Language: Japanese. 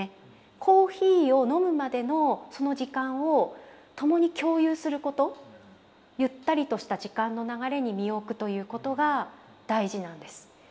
コーヒーを飲むまでのその時間を共に共有することゆったりとした時間の流れに身を置くということが大事なんです。